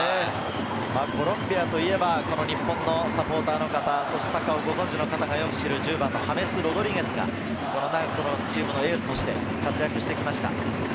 コロンビアといえば日本のサポーターの方、サッカーを知っている方がよく知る１０番のハメス・ロドリゲスがチームのエースとして活躍してきました。